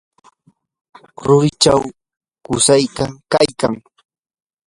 rurichaw qusayki kaykan.